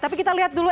tapi kita lihat dulu